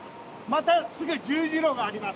またすぐ十字路があります。